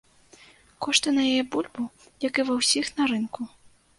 Кошты на яе бульбу, як і ва ўсіх на рынку.